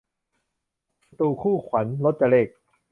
ศัตรูคู่ขวัญ- รจเรข